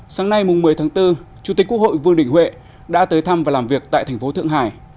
sáng nay một mươi tháng bốn chủ tịch quốc hội vương đình huệ đã tới thăm và làm việc tại thành phố thượng hải